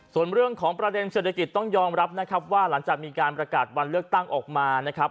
ส่วนเรื่องของประเด็นเศรษฐกิจต้องยอมรับนะครับว่าหลังจากมีการประกาศวันเลือกตั้งออกมานะครับ